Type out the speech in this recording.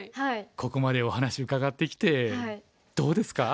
ここまでお話伺ってきてどうですか？